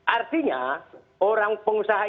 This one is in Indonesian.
artinya orang pengusaha